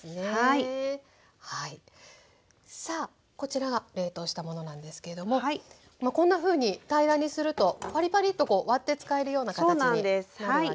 さあこちらが冷凍したものなんですけれどもこんなふうに平らにするとパリパリッとこう割って使えるような形になるわけですね。